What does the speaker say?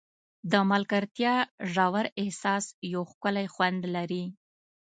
د ملګرتیا ژور احساس یو ښکلی خوند لري.